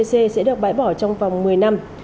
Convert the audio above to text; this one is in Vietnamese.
sẽ được bãi bỏ trong vòng một mươi năm